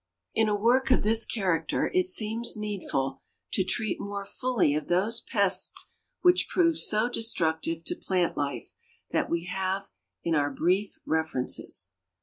In a work of this character it seems needful to treat more fully of those pests which prove so destructive to plant life, than we have in our brief references.